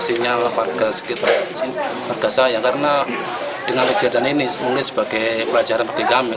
sinyal warga sekitar warga saya karena dengan kejadian ini mungkin sebagai pelajaran bagi kami